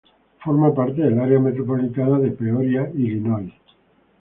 Forma parte del área metropolitana de Peoria, Illinois.